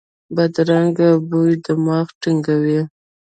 بدرنګه بوی دماغ تنګوي